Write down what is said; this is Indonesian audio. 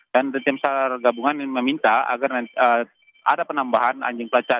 dan tim saral gabungan meminta agar ada penambahan anjing pelacak